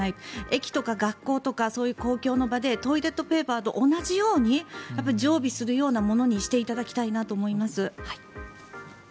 駅とか学校とかそういう公共の場でトイレットペーパーと同じように常備するようなものにしていただきたいなと思います。